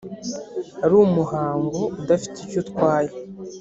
ari umuhango udafite icyo utwaye